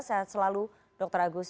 sehat selalu dr agus